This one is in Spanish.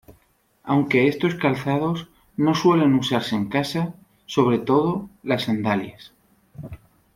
Aunque estos calzados no suelen usarse en casa, sobre todo las sandalias.